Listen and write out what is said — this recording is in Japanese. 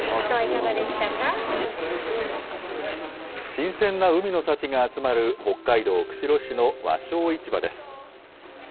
新鮮な海の幸が集まる、北海道釧路市の和商市場です。